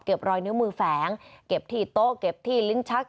รอยนิ้วมือแฝงเก็บที่โต๊ะเก็บที่ลิ้นชัก